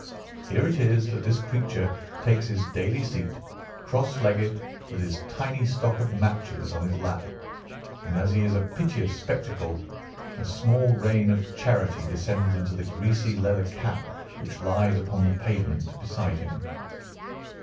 Here it is that this creature takes his daily seat, cross legged with his tiny stock of matches on his lap, and as he is a piteous spectacle a small rain of charity descends into the greasy leather cap which lies upon the pavement beside him.